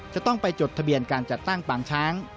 จะต้องไปจดทะเบียนการจัดตั้งปางช้าง